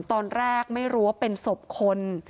ตอนแรกไม่รู้ว่าเป็นศพคน